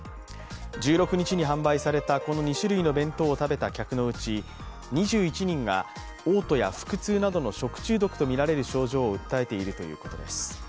１６日に販売されたこの２種類の弁当を食べた客のうち２１人がおう吐などを訴えているということです